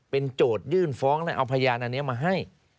เป็นโจทย์ยื่นฟ้องเอาภรรยานานนี้มาให้